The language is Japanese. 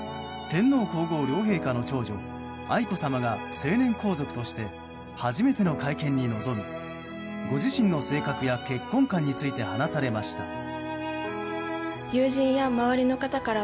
天皇・皇后両陛下の長女愛子さまが成年皇族として初めての会見に臨みご自身の性格や結婚観について話されました。